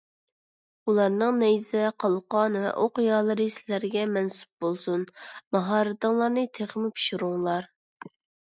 ئۇلارنىڭ نەيزە، قالقان ۋە ئوق يالىرى سىلەرگە مەنسۇپ بولسۇن، ماھارىتىڭلارنى تېخىمۇ پىشۇرۇڭلار.